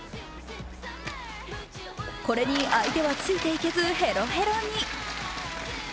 これに相手はついていけず、ヘロヘロに。